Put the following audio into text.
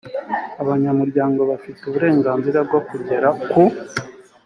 abanyamuryango bafite uburenganzira bwo kugera ku